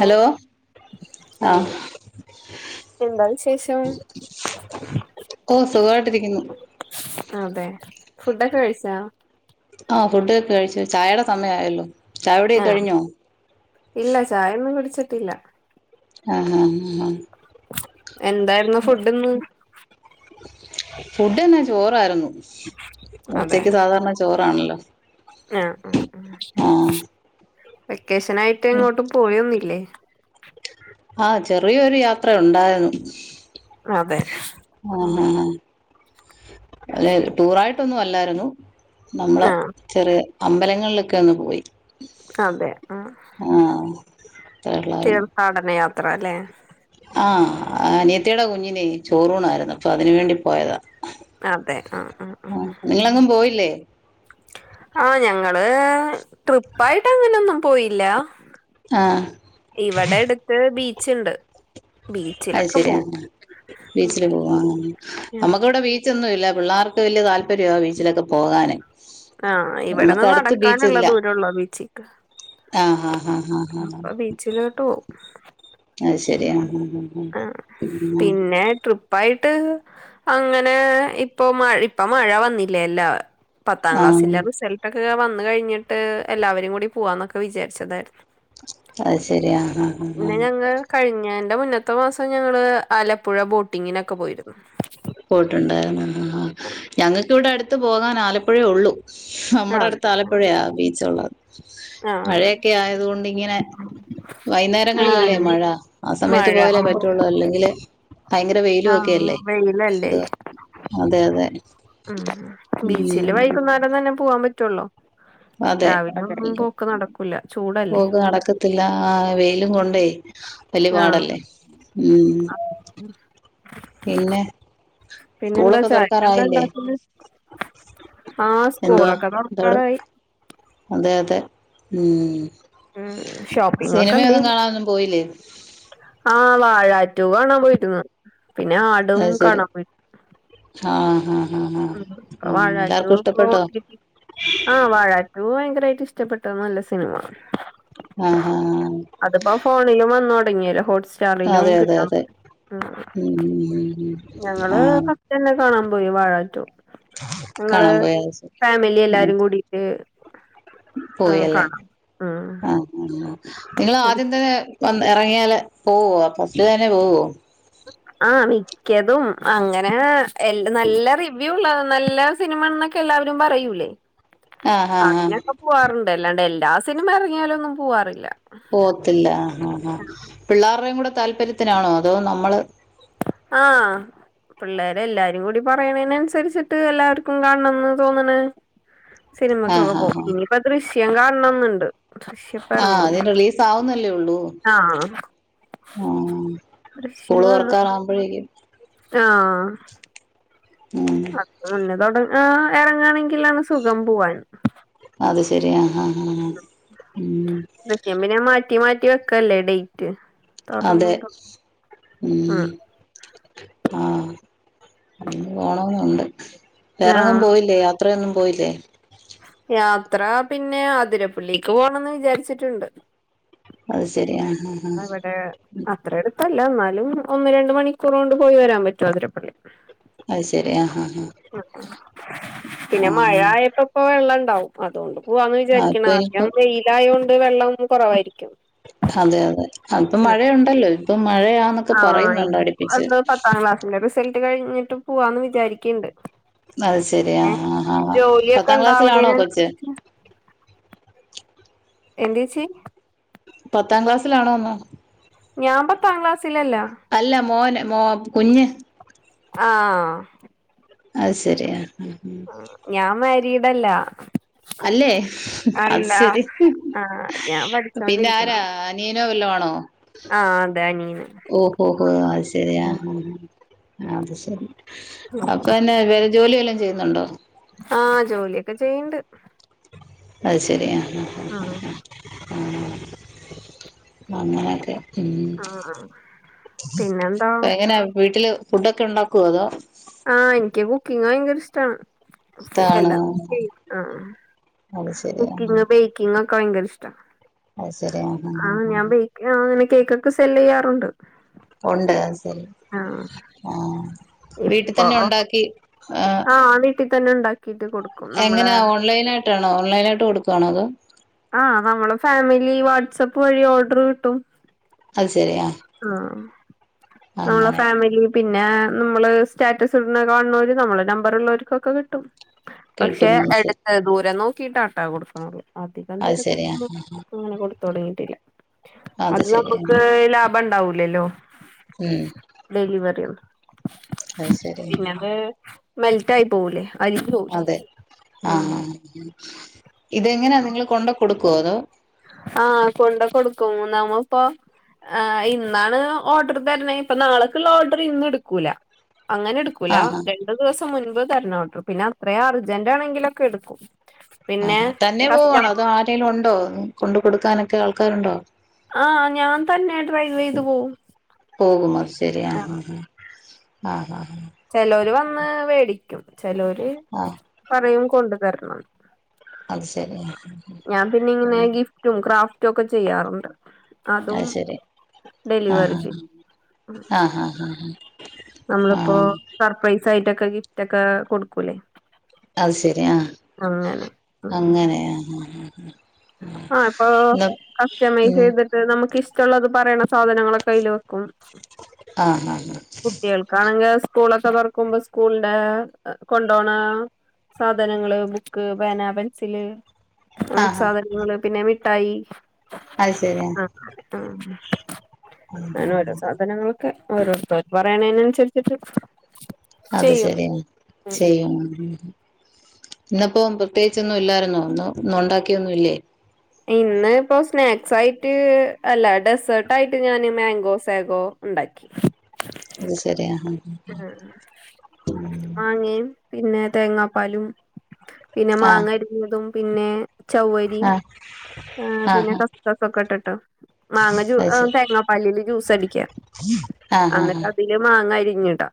Hello ആഹ് എന്താ വിശേഷം ഓഹ് സുഖമായിട്ടിരിക്കുന്നു അതെ ഫുഡൊക്കെ കഴിച്ചാ ആഹ് ഫുഡെക്കെ കഴിച്ചു ചായയുടെ സമയമായല്ലോ ചായ കുടിയൊക്കെ ആഹ് കഴിഞ്ഞോ ഇല്ല ചായൊന്നും കുടിച്ചിട്ടില്ല ആണോ ആഹ് എന്തായിരുന്നു ഫുഡ്ന്ന് ഫുഡ് ഇന്ന് ചോറായിരുന്നു അതെ ഉച്ചക്ക് സാധാരണ ചോറാണല്ലോ ആഹ് ആഹ് ആഹ് വെക്കേഷനായിട്ട് എങ്ങോട്ടും പോയൊന്നുമില്ലേ ആഹ് ചെറിയൊരു യാത്ര ഉണ്ടായിരുന്നു അതെ ആഹ് ഉം ആഹ് അങ്ങനെ ടൂറായിട്ടൊന്നും അല്ലായിരുന്നു നമ്മള ആഹ് ചെറിയ അമ്പലങ്ങളിലൊക്കെ ഒന്ന് പോയി അതെ ആഹ് ആ ത്രള്ളാരുന്നു പാടനയാത്ര അല്ലേ? ആ അനിയത്തിയുടെ കുഞ്ഞിനെ ചോറൂണായിരുന്നു അപ്പ അതിനുവേണ്ടി പോയതാ. അതെ ആഹ് ആഹ് ആ നിങ്ങളെങ്ങും പോയില്ലേ? ആ ഞങ്ങള് ട്രിപ്പായിട്ട് അങ്ങനൊന്നും പോയില്ല. ആഹ് ഇവടെ എടുത്ത് ബീച്ച്ണ്ട് അഹ് ബീച്ചിലൊക്കെ പോവും ശെരിയാണ് ബീച്ചില് പോവാണ് ഉം നമ്മുക്ക് വടെ ബീ ച്ചന്നും ഇല്ല പിള്ളാർക്ക് വല്യ താല്പര്യ ബീച്ചിലക്കെ പോകാന്. ആ ഇവടെന്ന് നമ്മുക്ക് അടുത്ത് ബീച്ച് നടക്കാന്ള്ള ഇല്ല ദൂരള്ളു ബീച്ചിക്ക്. ആഹ് ആഹ് ആഹ് ആഹ് ആഹ് അപ്പ ബീച്ചിലോട്ട് പോവും അഹ് ശരിയ ആഹ് ആഹ് ആഹ് ആ പിന്നെ ട്രി വൈട്ട് അങ്ങനെ ഇപ്പൊ മ ഇപ്പ മഴ വന്നില്ലേല്ലോ. പത്താം ആഹ് ക്ലാസ്സിലെ ആഹ് റിസൾട്ടക്കെക്കെ വന്ന് കഴിഞ്ഞിട്ട് എല്ലാവരും കൂടി പോവാന്നൊക്കെ വിചാരിച്ചതായിരുന്നു. അഹ് ശരിയ ആഹ് ആഹ് പിന്നെ ആഹ് ഞങ്ങൾ കഴിഞ്ഞേന്റെ മുന്നത്തെ മാസം ഞങ്ങള് ആലപ്പുഴ ബോട്ടിങ്ങിനൊക്കെ പോയിരുന്നു. പോയിട്ടുണ്ടായിരുന്നു ആ ഞങ്ങക്ക് ഇവടെ അട്ത്ത് പോകാൻ ആലപ്പുഴേ ഉള്ളൂ. നമ്മുടെ ആഹ് അടുത്ത് ആലപ്പുഴയാ ബീച്ച് ഉള്ളത്. ആഹ് മഴയക്കെ ആയത്കൊണ്ട് ഇങ്ങനെ വൈന്നേരങ്ങളിലല്ലേ ആഹ് മഴ ആ സമയത്ത് മഴ പോയാലേ പറ്റുള്ളു അല്ലെങ്കില് ഭയങ്കര വെയിലും ആഹ് ഒക്കെയല്ലേ. വെയിലല്ലേ ഇത് അതെ അതെ ഉം ഉം ഉം. ബീച്ചില് വൈകുന്നേരം തന്നെ പോവാൻ പറ്റുള്ളോ? അതെ [unintelligible] ചൂടല്ലേ പോക്ക് നടക്കത്തില്ല ആ വെയിലും കൊണ്ടേ. വല്ല്യ ആഹ് പാടല്ലേ ഉം. പിന്നെ? പിന്നെ എന്താ സ്കൂളൊക്കെ ചായക്ക് എന്താ തുറക്കാറായില്ലേ? ഇണ്ടാക്കല്? ആ എന്തുവാ? സ്കൂളക്കെ എന്തോട്? തൊർക്കാറായി. അതെ അതെ ഉം ഉം ഷോപ്പിംഗ് ഒക്കെ സിനിമയൊന്നും കാണനൊന്നും പോയില്ലേ? ആ വാഴാ റ്റു കാണാൻ [unintelligible] പിന്നെ ആ ആഹ് ശരി ആഹ് ആഹ് ആഹ് ആഹ് ഉം ഇപ്പൊ ആഹ് എല്ലാവർക്കു ഇഷ്ടപ്പെട്ടോ? ആ വാഴാറ്റു ഭയങ്കരായ്ട്ട് ഇഷ്ടപ്പെട്ട് നല്ല സിനിമ. ആഹാ ആഹ് ആഹ് അത്പ്പം ഫോണിലും വന്ന് തൊടങ്ങിയല്ലോ ഹോട്ട്സ്റ്റാറിലും അതെ അതെ കിട്ടാ അതെ ഉം ഉം ഉം ഉം ഞങ്ങള് ആഹ് ഫസ്റ്റ്ന്നെ കാണാ പോയി വാഴ റ്റു. ഞങ്ങള് കാണാൻ പോയ അത് ശരി ഫാമിലി ഉം എല്ലാരും കൂടിട്ട് ആ കാണാം ഉം [unintelligible] നിങ്ങള് ഒരു ആദ്യം തന്നെ വന്ന് എറങ്ങിയാല് പോവോ ഫസ്റ്റ്ല് തന്നെ പോവോ? ആ മിക്കതും അങ്ങനെ എൽ നല്ല റിവ്യൂ ഇള്ള നല്ല സിനിമന്നക്കെ എല്ലാവരും പറയൂലേ ആഹ് ആഹ് ആഹ് അതിനെക്കേ പോവാറുണ്ട് എല്ലാണ്ടേ എല്ലാ സിനിമ എറങ്ങിയാലൊന്നും പോവാറില്ല. പോവത്തില്ല ആ ആ ആ പിള്ളാർടെ കൂടെ താല്പര്യത്തിനാണോ അതോ നമ്മള്? ആഹ് പിള്ളാര് എല്ലാരും കൂടി പറയ്ണേന് അന്സര്ച്ചിട്ട് എല്ലാർക്കും കാൺണന്ന് തോന്ന്ണ്. സിനിമക്കൊക്കെ ആഹ് ആഹ് പോവും ആഹ് ഇനിയിപ്പം ദൃശ്യം കാൺണന്ന്ണ്ട് ദൃശ്യം. ആഹ് അത് ഇറങ്ങൂലേ ന് റിലീസ് ആവുന്നല്ലേ ഒള്ളൂ ആഹ് ആഹ് സ്കൂള് തോറക്കാറ ആവുമ്പഴേക്കും ആഹ് ആഹ് ഉം [unintelligible] മന്ന തോണ്ട് ആഹ് എറങ്ങാണെങ്കിലാണ് സുഖം പോവാൻ അത് ശരിയാ ആഹ് ഹഹ് ഉം പിന്ന മാറ്റി മാറ്റി വെക്കല്ലേ ഡേയ്റ്റ് അതെ ഉം ആഹ് അയിന് പോണന്നുണ്ട് ആഹ് വേറങ്ങും പോയില്ലേ യാ ഇത്രയൊന്നും പോയില്ലേ യാത്ര പിന്നെ ആതിരപ്പള്ളിക്ക് പോണന്ന് വിചാര്ച്ച്ട്ട്ണ്ട് അയ് ശരി ആഹ് ഹാഹ് ഇന്ന് ഇവ്ടെ അത്ര എട്ത്തല്ല ന്നാലും ഒന്ന് രണ്ട് മണിക്കൂറോണ്ട് പോയി വരാന് പറ്റു അതിരപ്പള്ളി അത് ശരി ആ ആ ആ പിന്നെ മഴയായപ്പം ഇപ്പ വെള്ള ഇണ്ടാവും അത്കൊണ്ട് പോവാന്ന് ആ വിചാര്ക്ക്ണ് അപ്പൊ ഇനിപ്പോ അധികം വെയ്ലായൊണ്ട് വെള്ളം കൊറവായിരിക്കും അതെ അതെ അപ്പം മഴയുണ്ടല്ലോ ഇപ്പം മഴയാന്ന് ആഹ് എന്ത് പത്താം ക്ലാസ്സ്ലെ റിസൾട്ട് കഴിഞ്ട്ട് പുവാന്ന് വിചാരിക്ക്ണ്ട് അത് ശരി ആ പിന്നെ ആ ആ പത്താം ജോലിയക്ക ക്ലാസ്സിലാണോ ഇണ്ടാവണീന് കൊച്ച് അൻസരിച്ച് എന്ത് ഏച്ചി പത്താ ക്ലാസ്സിലാണോന്ന് ഞാ പത്താ ക്ലാസ്സിലല്ല അല്ല മോന് മോ കുഞ്ഞ് ആഹ് അഹ്സരി ഞാ മാരീഡാല്ലാ അല്ലെ അത് സെരി ആഹ് ഞാൻ പിന്നെ ആരാ പഠിച്ചോണ്ടിരിക്കണു അനിയനോ വല്ലോ ആണോ ആ അതെ അനിയന് ഓ ഓഹോ അത് ശരി അഹ്ആഹ് ഹാ അത് ശരി അപ്പൊ എന്നെ വേറെ ജോലിയെല്ലാം ചെയ്യുന്നുണ്ടോ ആഹ് ജോലിയൊക്കെ ചെയ്യ്ണ്ട് അഹ് ശരി ആഹ് ആഹ് ആഹ് ആഹ് അങ്ങനൊക്കെ ഉം ആഹ് ആഹ് പിന്നെന്താ പ്പോ എങ്ങനാ വീട്ടില് ഫുഡൊക്കെ ഉണ്ടാക്കോ അതോ ആഹ് ൻക്കി കുക്കിങ്ങ് ഭയങ്കര ഇഷ്ടാണ് ഇതാണ് എല്ലാംകുക്കിയും ആ അത് ശരി ആ കുക്കിംഗ് ബേക്കിങ് ഒക്കെ ഭയങ്കര ഇഷ്ട അഹ് ശരി ആഹ് അഹ് ആ അങ്ങനെ കേക്കൊക്കെ സെല്ല് യ്യാറുണ്ട് ഉണ്ട് അഹ്സെരി ആ വീട്ടി ഇപ്പൊ തന്നെ ഉ ണ്ടാക്കി ആ ട്ടി തന്നെ ണ്ടാക്കിയിട്ട് കൊടുക്കും എങ്ങനെ നമ്മളെ ഓൺലൈൻ ആയിട്ടാണോ ഓൺലൈനായിട്ട് കൊടുക്കാണോ അതോ ആഹ് നമ്മള് ഫാമിലി വാട്സപ്പ് വഴി ഓർഡർ കിട്ടും അഹ് ശരി ആ ആഹ് ആഹ് അങ്ങനെ ഫാമിലി പിന്നെ നമ്മള് സ്റ്റാറ്റസ് ഇടുന്ന കാണുന്നവര് നമ്മളെ നമ്പർള്ളർക്കൊക്കെ കിട്ടും പക്ഷെ കിട്ടുന്നത് ശരി എടുത്ത് ദൂരം നോക്കിട്ടട്ടോ കൊടുക്കണത് അധികം അത് ശരിയാ ദൂരത്തൊക്കൊന്നും [unintelligible] അങ്ങനെ കൊടുത്ത് തൊടങ്ങിട്ടില്ല അത് നമക്ക് ലാഭം ഇണ്ടാവൂലല്ലോ ഉം ഡെലിവെറിണ്ട് അത് ശരി പിന്നെ അത് മെൽറ്റ് ആയി പോവുലേ അതെ ആഹ് ഇതെങ്ങനാ നിങ്ങൾ കൊണ്ട കൊടുക്കോ അതോ ആഹ് കൊണ്ട കൊടുക്കും നമ്മപ്പൊ ആഹ് ഇന്നാണ് ഓർഡർ തരണെ ഇപ്പൊ നാളക്കുള്ള ഓർഡർ ഇന്ന് ഇട്ക്കൂല അങ്ങനെടുക്കൂല ആഹാ ഡെ ഒരു ദിവസം മുമ്പ് തരണം ഓഡർ പിന്നെ അത്ര അർജന്റ് ആണെങ്കിലൊക്കെ എടുക്കും പിന്നെ തന്നെ കസ്റ്റം പോവാണോ അതോ ആരെലും ഉണ്ടോ കൊണ്ട് കൊടുക്കാനൊക്കെ ആൾക്കാര്ണ്ടോ ആഹ് ഞാൻ തന്നെ ഡ്രൈവെയ്ത് പോവും പോകും അത് ശരി ആഹ് ആ ആഹ് ചെലോര് വന്ന് വേടിക്കും ചെലോര് ആഹ് പറയും കൊണ്ട് തര്ണം അത് ശരി ഞാൻ പിന്നെ ഇങ്ങനെ ഉം ഗിഫ്റ്റും ക്രാഫ്റ്റും ഒക്കെ ചെയ്യാറുണ്ട് അതും അത് ശരി ഡെലിവറി ആഹ് ചെ ആഹ് ആഹ് ആഹ് നമ്മളിപ്പോ ആഹ് സർപ്രൈസ് ആയിട്ടൊക്കെ ഗിഫ്റ്റ് ഒക്കെ കൊടുക്കൂല്ലേ അത്ശരി ആഹ് അങ്ങനെ അ ആഹ് ആഹ് ഇപ്പൊ ആഹ് ഉം കസ്റ്റമൈസെയ്ത് ട്ട് നമ്മക്ക് ഇഷ്ടള്ളത് പറയണ സാധനങ്ങളൊക്കെ അയ്ല് വെക്കും ആഹ് ആഹ് കുട്ടികൾക്കാണെങ്കി സ്കൂളൊക്കെ തൊറക്കുമ്പോ സ്കൂൾന്റെ കൊണ്ടോണ സാധനങ്ങള് ബുക്ക് പേന പെൻസില് ഹൻ ആഹ് സാധനങ്ങള് പിന്നെ മിഠായി അത് ശരിയാ ആഹ് ആഹ് അങ്ങനെ ഓരോ സാധനങ്ങള് ക്കെ ഓരോരുത്തര് പറയണെനന്സരിച്ചിട്ട് അത് ശരി ചെയ്യും ഇന്ന്പ്പോ പ്രത്യേകിചൊന്നും ഇല്ലായിരുന്നോ ഇന്ന് ഒണ്ടാക്കിയൊന്നും ഇല്ലേ ഇന്ന് ഇപ്പോ സ്നാക്സ് ആയിട്ട് അല്ല ഡെസേർട്ട് ആയിട്ട് ഞാന് മാങ്കോ സാഗോ ഇണ്ടാക്കി അത്ശരി അ ആഹ് മാങ്ങയും പിന്നെ തേങ്ങാപ്പാലും പിന്നെ ആ മാങ്ങരിഞ്ഞതും പിന്നെ ചൗവരി ആ ആഹ് ആ ആ പിന്നെ ആ കസ്തൊക്കെട്ടട്ടോ. മാങ്ങ ജൂ അത് ങ് ശരി തേങ്ങാപ്പള്ളില് ജ്യൂസ് അടിക്ക ആഹ് ആഹ് ന്റെ മാങ്ങ അരിഞ്ഞിടാ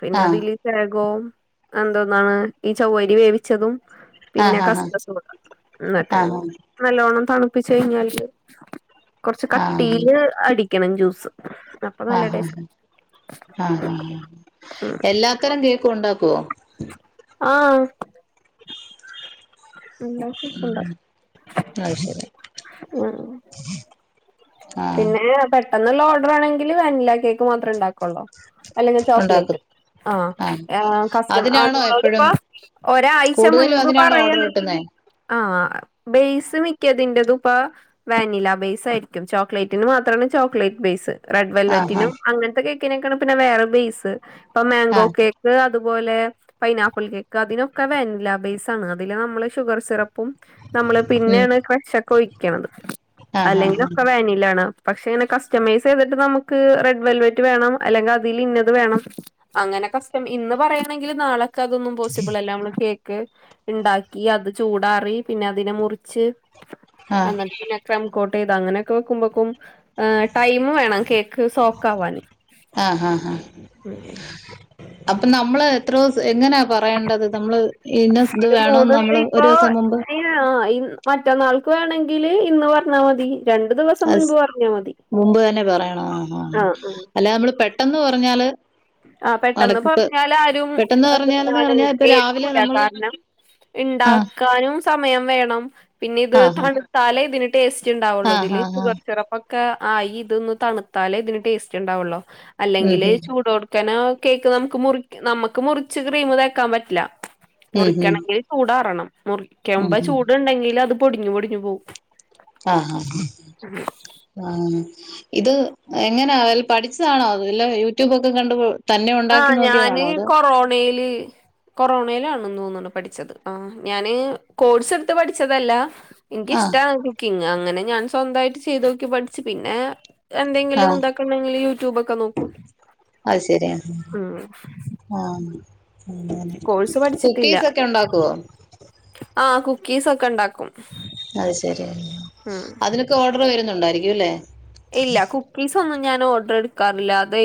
പിന്നെ അതില്. വേകോ എന്തോന്നാണ് ഈ ചാവ്വരി വേവിച്ചതും. ആ ആ പിന്നെ ആ ആ കസ്ക്കസ്സുട് ന്നിട്ട് ആ ആ നല്ലോണ്ണം തെളപ്പിച്ച കഴിഞ്ഞാല്. കൊറച്ച് കട്ടീല് അടിക്കണം ജ്യൂസ്. അപ്പൊ നല്ല ആഹ് ടേസ്റ്റ് ആഹ് ആഹ് എല്ലാത്തരം കേക്കും ഉണ്ടാക്കോ? ആഹ് ഉണ്ടാക്കിക്കൊണ്ട അത് ശരി ആഹ് ആഹ് ആ പിന്നെതെ എ പെട്ടെന്നുള്ള ഓർഡെറ് ആണെങ്കില് വാനില കേക്ക് മാത്രം ഉണ്ടാക്കുള്ളോ. അല്ലെങ്കിൽ ചോക്ലേറ്റ്. ഉണ്ടാക്കും ആഹ്, ആ ആഹ കസ്റ്റമ അതിനാണോ എപ്പഴും അതുപോലെയിപ്പോ ഒരാഴ്ച കൂടുതലും മുൻപ് അതിനാണോ പറയ ഓർഡർ കിട്ടുന്നേ ആഹ ബേസ് മിക്കതിന്റേത് ഇപ്പോ വാനില ബേസ് ആയിരിക്കും. ചോക്ലേറ്റിന് മാത്രമാണ് ചോക്ലേറ്റ് ബേസ്. റെഡ് ആ ആ വെൽവെറ്റിനും, അങ്ങനെത്തെ കേക്കിനെക്കെയാണ് പിന്നെ വേറെ ബേസ്. ഇപ്പൊ ആ മാങ്കോ കേക്ക്. അതുപോലെ പൈനാപ്പിൾ കേക്ക് അതിനൊക്കെ വാനില ബേസാണ്. അതില് നമ്മെള്. ഷുഗർ സിറപ്പും നമ്മെള് ഉം പിന്നെയാണ് ക്രഷ്ഒക്കെ ഒഴിക്കണത്. ആ ആ ആ അല്ലെങ്കിലൊക്കെ വാനിലാണ്. പക്ഷെ ഇങ്ങനെ കസ്റ്റമൈസ് ചെയ്തിട്ട് നമ്മെക്ക് റെഡ് വെൽവെറ്റ് വേണം. അല്ലെങ്കേ അതിൽ ഇന്നത് വേണം. അങ്ങനെ കഷ്റ്റം ഇന്ന് പറയണെങ്കിൽ നാളെക്കെ അതൊന്നും പോസിബിളല്ല. നമ്മെള് കേക്ക് ഉണ്ടാ ക്കി അത് ചൂടാറി, പിന്നെ അതിനെ മുറിച്ച് ആ അങ്ങനെ പിന്നെ. കം കോട്ട് ചെയ്ത് അങ്ങനെയെക്കെ വെക്കും മ്പേക്കും ങ് ടൈമു വേണം കേക്ക് സോക്ക് ആവാന്. ആ അപ്പ നമ്മെള് എത്ര ദിവസ എങ്ങനെയാ പറയേണ്ടത് നമ്ള്? ഇന്ന സ് ഇത് വേണോ നമ്മെള് ഒരു ദിവസം മുമ്പ്. ആഹ് മറ്റന്നാൾക്ക് വേണേങ്കില് ഇന്ന് പറഞ്ഞാ മതി. രണ്ടു ദിവസം അസ് മുൻപ് പറഞ്ഞാ മതി മുമ്പ് തന്നെ പറയണോ. ആഹ് ഹ ഹഅല്ല നമ്മെള് പെട്ടെന്ന് പറഞ്ഞാല്. ആഹ പെട്ടെന്ന് നടക്കിപ്പ് പറഞ്ഞാല് ആരും പെട്ടെന്ന് പറഞ്ഞാലെന്ന് എന്തോന്നാണ് പറഞ്ഞാ ഇപ്പൊ രാവിലെ കേൽക്കൂല നമ്മള് കാരണം. ആ ഇണ്ടാക്കാനും. സമെയം വേണം. പിന്നെ ഇത് ആഹാ തണുത്താലേ ഇതിന് ടേസ്റ്റ് ഉണ്ടാവുള്ളൂ ഇതില്. ആഹാ ഹാ ഷുഗർ സിറപ്പ ക്കെ ആഹ ഇതൊന്ന് തണുത്താലേ ഇതിന് ടേസ്റ്റ് ഉണ്ടാവെല്ലോ ഉം അല്ലെങ്കില് ഹും ചൂടോട് ക്കെനാ കേക്ക് നമുക്ക് മു നമുക്ക് മുറിച്ച് ക്രീം തേക്കാൻ പറ്റില്ല. ഉം ഹും മുറിക്കണെങ്കിൽ ചൂടാറണം. മുറിക്കമ്പ ഉം ഹും ചൂടുണ്ടെങ്കിൽ അത് പൊടിഞ്ഞു പൊടിഞ്ഞു പോവും. ആഹ് ആഹ് ഹാ ആഹ ഇത് എങ്ങനെയാ വെല്ല് പഠിച്ചതാണോ വെല്ല യൂട്യൂബൊക്കെ കണ്ട്? തന്നെ ഉണ്ടാക്കി ആഹ് ഞാന് നോക്കിയതാണോ അതോ കൊറോണയില് കൊറോണയിലാണെന്നോ ന്നണ് പഠിച്ചത്. ആഹ് ഞാന് കോഴ്സ് എടുത്ത് പഠിച്ചതല്ല. ആ എനിക്കിഷ്റ്റാണ് കുക്കിങ്. അങ്ങനെ ഞാൻ സ്വന്തവായിട്ട് ചെയ്ത് നോക്കി പഠിച്ചു പിന്നെ. ആ എന്തെങ്കിലുംഇതൊക്ക ഉണ്ടാക്കണെങ്കിൽ യൂട്യൂബ് ഒക്കെ നോക്കും. അത് ശെരിയാ ഉം ആഹ് മ് കോഴ്സ് കുക്കീസ് ഒക്കെ ഒണ്ടാക്കുവോ? ആഹ കുക്കീസ് ഒക്കെ ഉണ്ടാക്കും. അത് ശെരിയ. ഉം അതിനെക്കെ ഓർഡെറ് വെരുന്നുണ്ടായിരിക്കും അല്ലേ? ഇല്ല. കുക്കീസ് ഒന്നും ഞാൻ ഓർഡെറ് എടുക്കാറില്ല. അതെ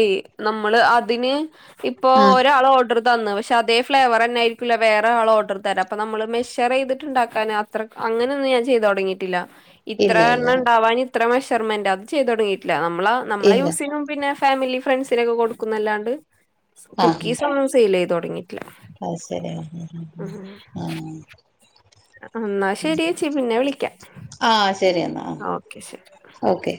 നമ്മെള് അതിന്. ഇപ്പൊ ആഹ് ഒരാൾ ഓർഡെറ് തന്ന്. പക്ഷെ അതേ ഫ്ലേവെറെന്ന ആയിരിക്കില്ല വേറെയാള് ഓഡെറ് തരാ. അപ്പൊ നമ്മെള് മെഷറ് ചെയ്തിട്ടുണ്ടാക്കാന ത്ര അങ്ങനെയൊന്നും ഞാൻ ചെയ്ത് തൊടങ്ങിട്ടില്ല. ഇല്ല ഇല്ല ഇത്രയെണ്ണമുണ്ടാവാനിത്ര മെഷർമെന്റത് ചെയ്തുതുടങ്ങിയിട്ടില്ല നമ്മളാനമ്മളെ ഇല്ല യൂസുചെയ്യുമ്പം പിന്നെ ഫാമിലി ഫ്രണ്ട്സിനൊക്കെ കൊടുക്കുന്നല്ലാണ്ട് കുക്കീസൊന്നും സെയിൽ ചെയ്തുതുടങ്ങി അതു ശരിയാ, ആഹ് എന്നാ ശരി ചേച്ചി പിന്നെ വിളിക്കാം ആഹ്, ശരിയെന്നാ ഓക്കെ ശരി ഓക്കെ